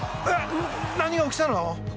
何が起きたの？